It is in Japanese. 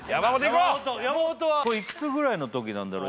こう山本山本はこれいくつぐらいの時なんだろう？